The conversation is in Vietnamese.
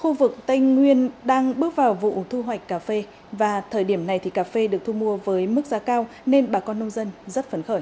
khu vực tây nguyên đang bước vào vụ thu hoạch cà phê và thời điểm này thì cà phê được thu mua với mức giá cao nên bà con nông dân rất phấn khởi